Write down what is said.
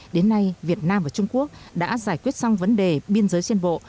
đến nay việt nam và trung quốc đã giải quyết xong vấn đề biên giới trên bộ